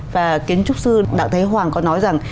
và kiến trúc sư đặng thái hoàng có nói rằng